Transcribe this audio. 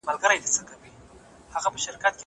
هغه څوک چي کښېناستل کوي پوهه زياتوي!!